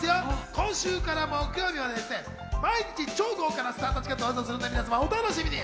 今週は木曜日まで、毎日超豪華なスターたちが登場するので、皆さん、お楽しみに！